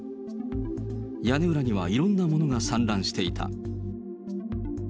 屋根裏にはいろんなものが散乱していた。